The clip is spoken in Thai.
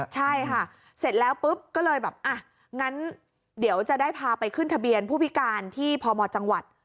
ใช่ค่ะเสร็จแล้วปุ๊บก็เลยแบบอ่ะงั้นเดี๋ยวจะได้พาไปขึ้นทะเบียนผู้พิการที่พมจังหวัด